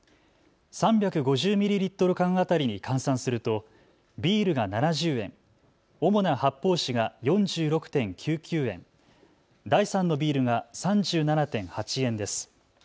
３５０ミリリットル缶当たりに換算するとビールが７０円、主な発泡酒が４６．９９円、第３のビールが３７．８円です。